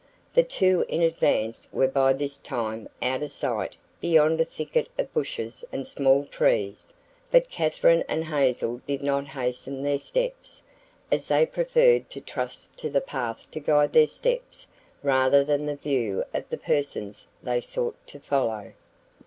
The two in advance were by this time out of sight beyond a thicket of bushes and small trees, but Katherine and Hazel did not hasten their steps, as they preferred to trust to the path to guide their steps rather than the view of the persons they sought to follow.